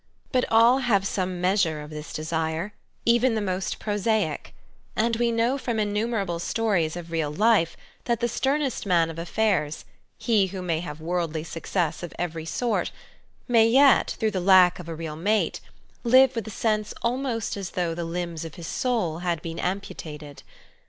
But all have some measure of this desire, even the most prosaic, and we know from innumerable stories of real life that the sternest man of affairs, he who may have worldly success of every sort, may yet, through the lack of a real mate, live with a sense almost as though the limbs of his soul had been amputated.